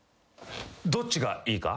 どっちがいいか？